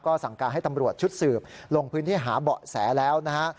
สั่งการให้ตำรวจชุดสืบลงพื้นที่หาเบาะแสแล้วนะฮะ